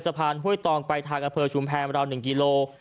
สะพานห้วยตองไปทางอเภอชุมแพรมาราว๑กิโล